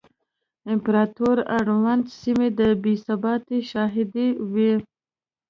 امپراتورۍ اړونده سیمې د بې ثباتۍ شاهدې وې